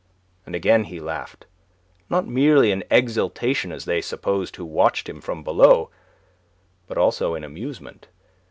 And again he laughed, not merely in exaltation as they supposed who watched him from below, but also in amusement.